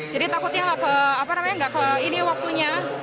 jadi takutnya nggak ke ini waktunya